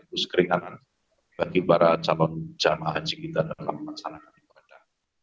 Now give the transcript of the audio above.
dan itu sekeringan bagi para calon jemaah haji kita dalam masyarakat di perada